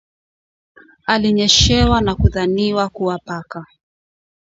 aliyenyeshewa na kudhaniwa kuwa paka